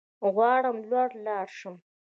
غواړم لوړ لاړ شم